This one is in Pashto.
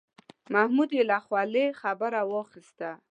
محمود یې له خولې خبره واخیسته.